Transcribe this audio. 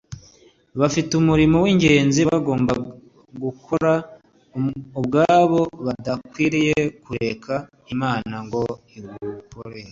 bafite umurimo w'ingenzi bagomba gukora ubwabo badakwiriye kurekera imana ngo iwubakorere